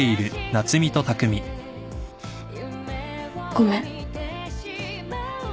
ごめん。